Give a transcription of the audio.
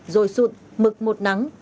dồi sụn mực một nắng